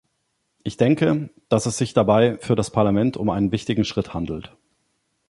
Ich denke, dass es sich dabei für das Parlament um einen wichtigen Schritt handelt.